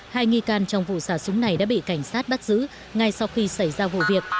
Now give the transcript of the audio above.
hai nghi can trong vụ xả súng này đã bị cảnh sát bắt giữ ngay sau khi xảy ra vụ việc